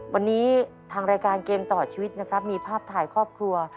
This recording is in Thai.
วันนี้ทางรายการเกมต่อชีวิตนะครับมีภาพถ่ายครอบครัว